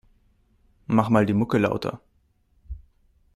Mach mal die Mucke lauter.